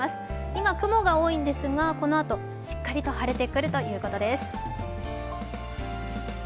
今、雲が多いんですがこのあとしっかり晴れてくるということです。